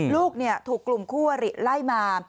ลูกถูกกลุ่มคู่อริไล่มา